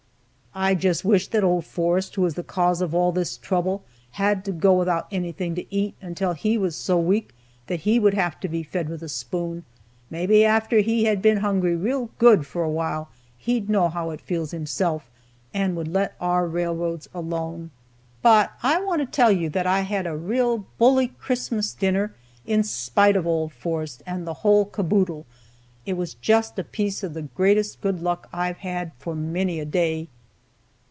"I just wish that old Forrest, who is the cause of about all this trouble, had to go without anything to eat until he was so weak that he would have to be fed with a spoon. Maybe after he had been hungry real good for a while he'd know how it feels himself, and would let our railroads alone. "But I want to tell you that I had a real bully Christmas dinner, in spite of old Forrest and the whole caboodle. It was just a piece of the greatest good luck I've had for many a day.